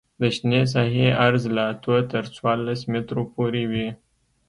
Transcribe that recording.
د شنې ساحې عرض له اتو تر څوارلس مترو پورې وي